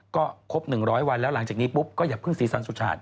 ก็ครบ๑๐๐วันแล้วหลังจากนี้ปุ๊บก็อย่าเพิ่งสีสันสุดฉาด